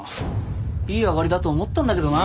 いい上がりだと思ったんだけどな。